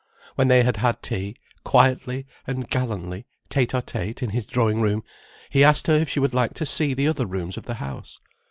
When they had had tea, quietly and gallantly tête à tête in his drawing room, he asked her if she would like to see the other rooms of the house.